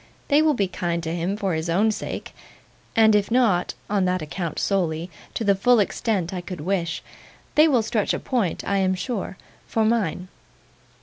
They will be kind to him for his own sake, and if not (on that account solely) to the full extent I could wish, they will stretch a point, I am sure, for mine.